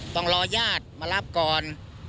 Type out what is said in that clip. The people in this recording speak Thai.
ต้องรอญาติมารับก่อน